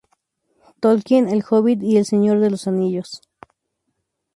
Tolkien "El hobbit" y "El Señor de los Anillos".